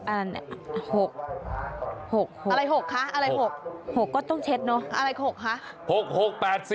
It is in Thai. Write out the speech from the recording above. อะไร๖คะอะไร๖๖ก็ต้องเช็ดเนอะอะไร๖คะ